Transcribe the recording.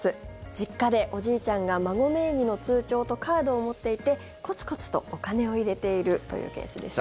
実家でおじいちゃんが孫名義の通帳とカードを持っていてコツコツとお金を入れているというケースですね。